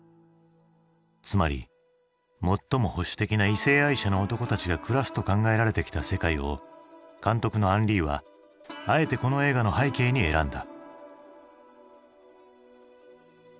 つまり最も保守的な異性愛者の男たちが暮らすと考えられてきた世界を監督のアン・リーはあえてこの映画の背景に選んだ。